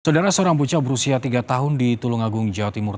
saudara seorang bocah berusia tiga tahun di tulungagung jawa timur